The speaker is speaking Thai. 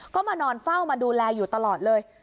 ก็มานอนเฝ้ามาดูแลอยู่ตลอดเลย